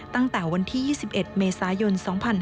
ตั้งแต่วันที่๒๑เมษายน๒๕๕๙